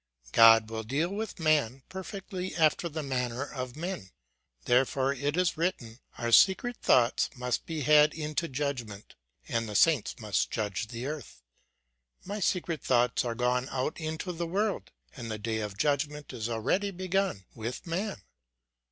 God will deal with man, perfectly after the manner of men; therefore it is written, our secret thoughts must be had into judgment; and the saints must judge the earth. My secret thoughts are gone out into the world ; and the clay of judgment is already begun with man.